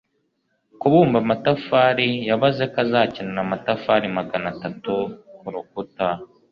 kubumba amatafari yabaze ko azakenera amatafari magana atanu kurukuta